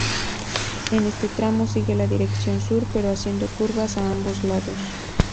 En este tramo sigue la dirección sur, pero haciendo curvas a ambos lados.